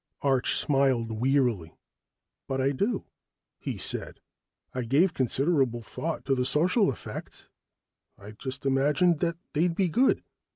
Arch smiled wearily. "But I do," he said. "I gave considerable thought to the social effects. I just imagined that they'd be good.